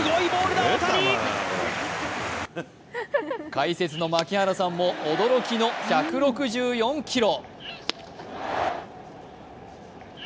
解説の槙原さんも驚きの１６４キロ。